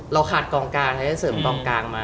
เราขาดกองกางจะเสริมกองกางมา